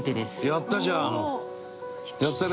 やったじゃん！